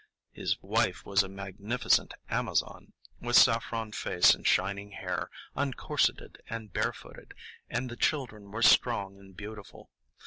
His wife was a magnificent Amazon, with saffron face and shining hair, uncorseted and barefooted, and the children were strong and beautiful.